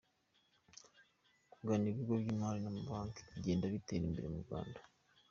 Kugana ibigo by’imari n’amabanki bigenda bitera imbere mu Rwanda.